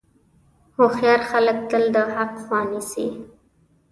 هوښیار خلک تل د حق خوا نیسي.